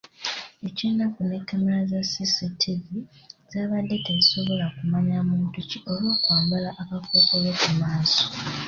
Ekyennaku ne kamera za CCTV zaabadde tezisobola kumanya muntu ki olw'okwambala akakookolo ku maaso.